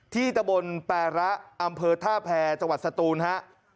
ที่ตะบลแปรระอำเภอท่าแพร่จังหวัดสะตูนครับ